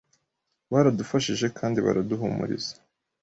baradufashije kandi baraduhumuriza,